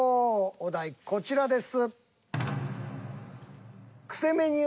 お題こちらです。